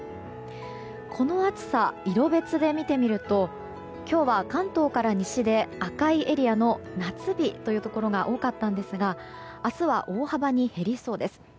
この暑さ、色別で見てみると今日は関東から西で赤いエリアの夏日というところが多かったんですが明日は大幅に減りそうです。